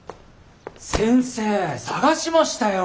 先生探しましたよ！